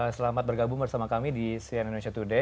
selamat bergabung bersama kami di cnn indonesia today